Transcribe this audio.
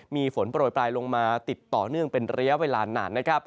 มีฝนโปรยปลายลงมาติดต่อเนื่องเป็นระยะเวลานานนะครับ